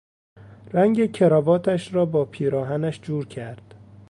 رنگ کراواتش را با پیراهنش جور کرد.